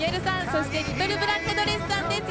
そしてリトルブラックドレスさんです。